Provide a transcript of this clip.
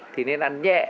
thì nên ăn nhẹ